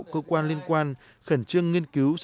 cơ quan liên quan khẩn trương nghiên cứu